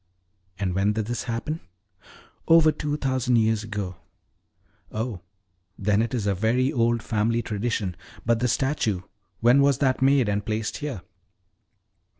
"And when did this happen?" "Over two thousand years ago." "Oh, then it is a very old family tradition. But the statue when was that made and placed here?"